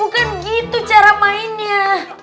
bukan gitu cara mainnya